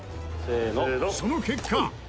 その結果。